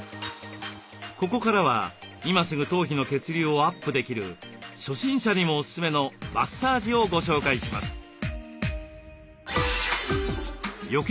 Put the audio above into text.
ここからは今すぐ頭皮の血流をアップできる初心者にもおすすめのマッサージをご紹介します。